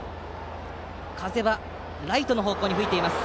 風はライト方向に吹いています。